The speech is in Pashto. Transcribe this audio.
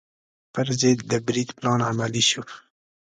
پر ضد د برید پلان عملي شو.